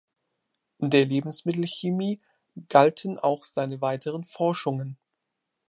Der Lebensmittelchemie galten auch seine weiteren Forschungen.